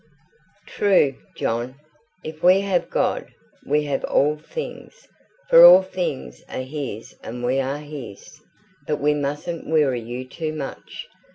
"True, John. If we have God, we have all things; for all things are his and we are his. But we mustn't weary you too much.